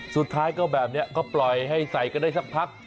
สุดท้ายก็แบบนี้ก็ปล่อยให้ใส่กันได้สักพัก